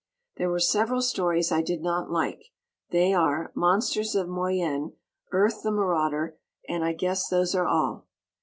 There were several stories I did not like. They are: "Monsters of Moyen," "Earth, the Marauder," and I guess those are all.